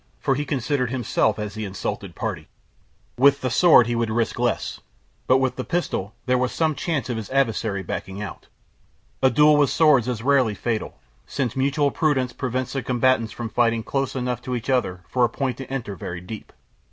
for he considered himself as the insulted party. With the sword he would risk less, but with the pistol there was some chance of his adversary backing out. A duel with swords is rarely fatal, since mutual prudence prevents the combatants from fighting close enough to each other for a point to enter very deep.